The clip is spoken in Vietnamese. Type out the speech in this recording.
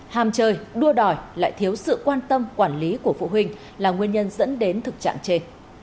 hàm chơi đua đòi lại thiếu sự quan tâm quản lý của phụ huynh là nguyên nhân dẫn đến thực trạng trên